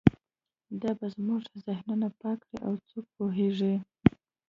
دا به زموږ ذهنونه پاک کړي او څوک پوهیږي